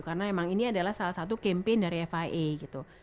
karena memang ini adalah salah satu campaign dari fia gitu